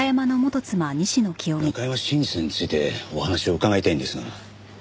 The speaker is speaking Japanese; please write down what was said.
中山信二さんについてお話を伺いたいんですが。